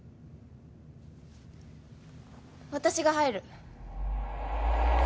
私が入る。